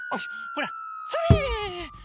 ほらそれ。